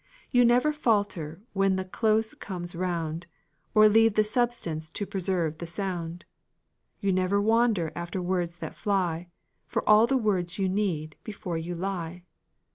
You never falter when the close comes round, Or leave the substance to preserve the sound; You never wander after words that fly, For all the words you need before you lie.